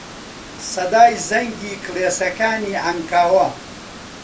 سەدای زەنگی کڵێسەکانی عەنکاوە